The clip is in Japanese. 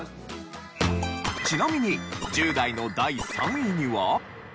ちなみに１０代の第３位には。